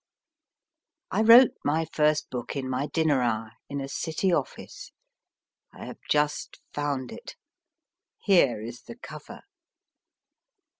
I wrote my first book in my dinner hour, in a City office. I have just found it. Here is the cover.